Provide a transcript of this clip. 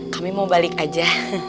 kami mau balik aja